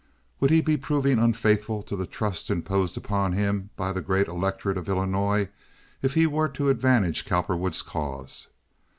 Would he be proving unfaithful to the trust imposed on him by the great electorate of Illinois if he were to advantage Cowperwood's cause?